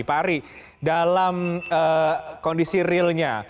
pak ari dalam kondisi realnya